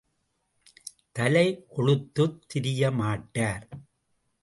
தலை கொழுத்துத் திரியமாட்டார்.